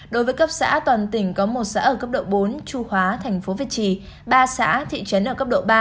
đối với cấp xã toàn tỉnh có một xã ở cấp độ bốn trung hóa thành phố việt trì ba xã thị trấn ở cấp độ ba